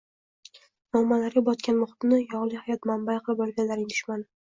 muammolarga botgan muhitni «yog‘li hayot» manbai qilib olganlarning dushmani